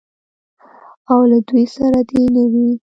او له دوی سره دې نه وي.